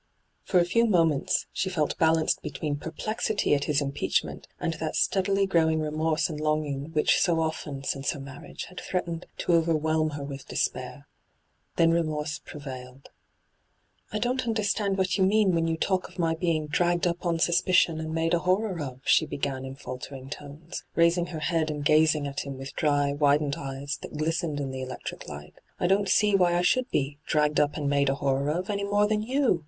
For a few moments she felt balanced between perplexity at his impeachment and that steadily growing remorse and longing which so often, since her marriage, had threatened to overwhelm her with despair. Then remorse prevailed. * I don't understand what you mean when you talk of my being "dragged up on sus picion and made a horror of," ' she began in filtering tones, raising her head and gazing at him with dry, widened eyes that glistened in the electric light. ' I don't see why I should be " dragged up and made a horror of" any more than you!